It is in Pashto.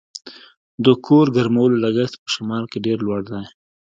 د کور ګرمولو لګښت په شمال کې ډیر لوړ دی